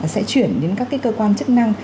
sẽ chuyển đến các cơ quan chức năng